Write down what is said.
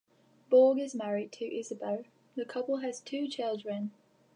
Borg is married to Isabelle; the couple has two children.